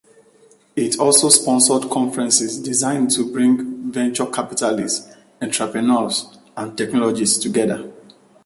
It also sponsored conferences designed to bring venture capitalists, entrepreneurs, and technologists together.